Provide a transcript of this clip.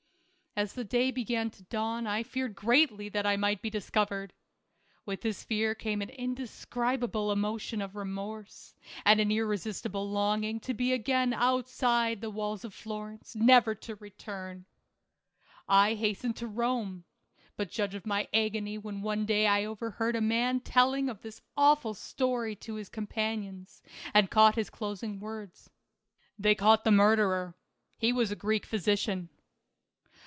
As the day began to dawn, I feared greatly that I might be discovered. With this fear came an indescribable emotion of remorse, and an irresistible longing to be again outside the walls of Florence, never to return. I hastened 232 THE CARAVAN. to Rome; but judge of my agony when one day I overheard a man telling this awful story to his companions, and caught his closing words : "They have caught the murderer; he was a Greek physician."